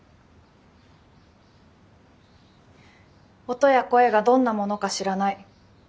音や声がどんなものか知らない。